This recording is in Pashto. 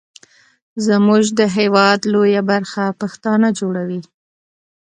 زمونږ د هیواد لویه برخه پښتانه جوړوي.